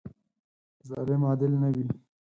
ظالم عادل نه وي.